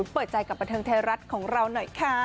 เปิดใจกับบันเทิงไทยรัฐของเราหน่อยค่ะ